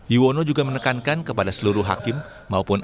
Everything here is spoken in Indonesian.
yuwono juga menekankan kepada seluruh hakim maupun